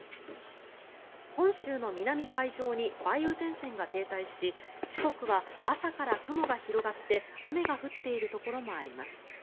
本州の南海上に梅雨前線が停滞し四国は朝から雲が広がって雨が降っているところもあります。